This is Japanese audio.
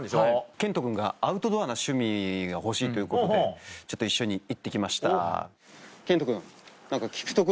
賢人君がアウトドアな趣味が欲しいということでちょっと一緒に行って来ました。